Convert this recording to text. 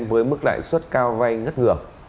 với mức lãi suất cao vay ngất ngừa